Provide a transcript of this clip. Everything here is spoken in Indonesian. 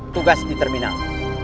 tugas di terminal